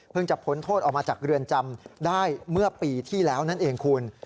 จะพ้นโทษออกมาจากเรือนจำได้เมื่อปีที่แล้วนั่นเองคุณ